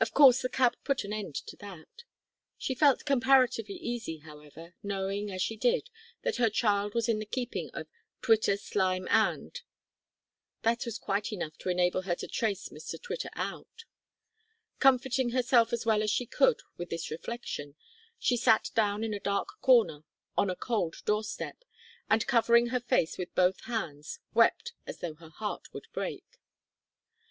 Of course the cab put an end to that. She felt comparatively easy, however, knowing, as she did, that her child was in the keeping of "Twitter, Slime and ." That was quite enough to enable her to trace Mr Twitter out. Comforting herself as well as she could with this reflection, she sat down in a dark corner on a cold door step, and, covering her face with both hands, wept as though her heart would break.